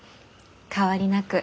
変わりなく。